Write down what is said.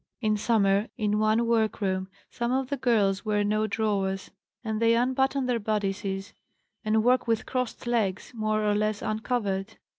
"In summer, in one work room, some of the girls wear no drawers, and they unbutton their bodices, and work with crossed legs, more or less uncovered.